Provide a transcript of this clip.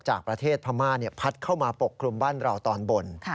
จากประเทศพม่าพัดเข้ามาปกคลุมบ้านเราตอนบน